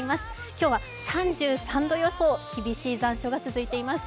今日は３３度予想、厳しい残暑が続いています。